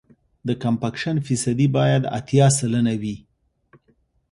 د کمپکشن فیصدي باید اتیا سلنه وي